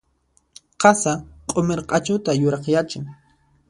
Qasa q'umir q'achuta yurakyachin.